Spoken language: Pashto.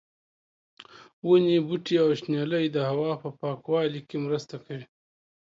ونې، بوټي او شنېلی د هوا په پاکوالي کې مرسته کوي.